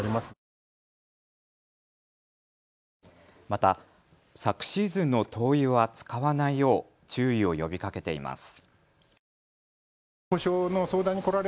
また昨シーズンの灯油は使わないよう注意を呼びかけています。